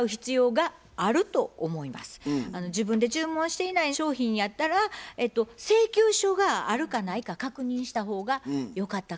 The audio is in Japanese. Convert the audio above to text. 自分で注文していない商品やったら請求書があるかないか確認した方がよかったかなと思うんですけど。